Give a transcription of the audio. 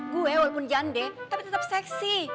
gue walaupun janda tapi tetep seksi